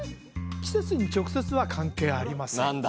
季節に直接は関係ありません